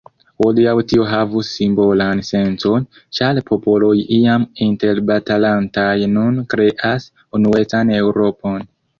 Hodiaŭ tio havus simbolan sencon, ĉar popoloj iam interbatalantaj nun kreas unuecan Eŭropon.